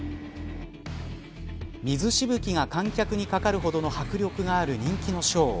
水しぶきが観客にかかるほどの迫力がある人気のショー。